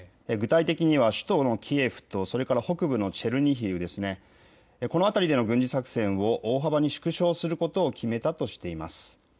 具体的には首都のキエフとそれから北部のチェルニヒウ、この辺りでの軍事作戦を大幅に縮小することを決めたとしています。